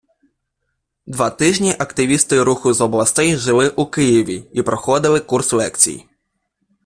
Два тижні активісти Руху з областей жили у Києві і проходили курс лекцій.